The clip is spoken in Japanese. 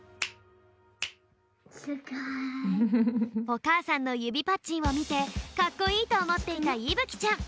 おかあさんのゆびパッチンをみてかっこいいとおもっていたいぶきちゃん。